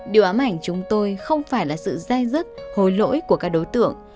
điều ám ảnh chúng tôi không phải là sự dai dứt hồi lỗi của các đối tượng